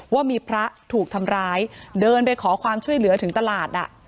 ว่ามีพระถูกทำร้ายเดินไปขอความช่วยเหลือถึงตลาดอ่ะ